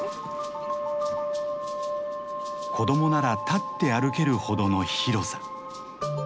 子供なら立って歩けるほどの広さ。